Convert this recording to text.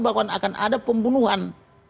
bahwa akan ada pembunuhan